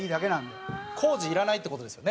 松橋：工事いらないっていう事ですよね。